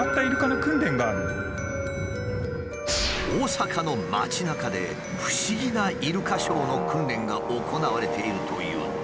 大阪の街なかで不思議なイルカショーの訓練が行われているというのだ。